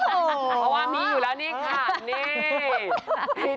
เพราะว่ามีอยู่แล้วนี่ค่ะนี่